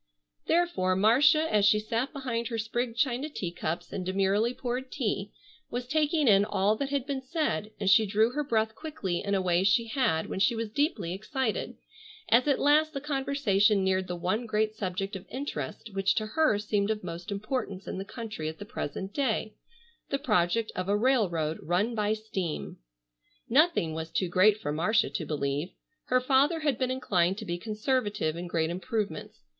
Therefore, Marcia as she sat behind her sprigged china teacups and demurely poured tea, was taking in all that had been said, and she drew her breath quickly in a way she had when she was deeply excited, as at last the conversation neared the one great subject of interest which to her seemed of most importance in the country at the present day, the project of a railroad run by steam. Nothing was too great for Marcia to believe. Her father had been inclined to be conservative in great improvements.